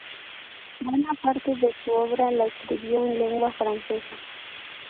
Buena parte de su obra la escribió en lengua francesa.